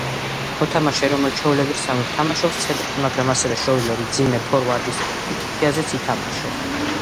მოთამაშე რომელიც ჩვეულებრისამებრ თამაშობს ცენტრში, მაგრამ ასევე შეუძლია მძიმე ფორვარდის პოზიციაზეც ითამაშოს.